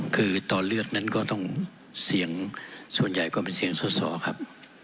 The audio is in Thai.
คือตอนเลือกนั้นก็ต้องเสียงส่วนใหญ่ก็เป็นเสียงสอสอครับ